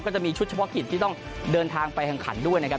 จะมีชุดเฉพาะกิจที่ต้องเดินทางไปแข่งขันด้วยนะครับ